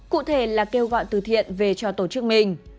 cụ thể là kêu gọi từ thiện về cho tổ chức mình